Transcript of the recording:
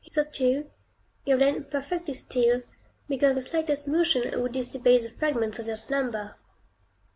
Hitherto you have lain perfectly still, because the slightest motion would dissipate the fragments of your slumber.